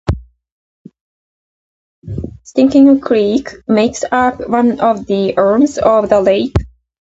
Stinking Creek makes up one of the arms of the lake.